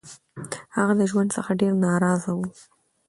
هغه د ژوند څخه ډير نا رضا وو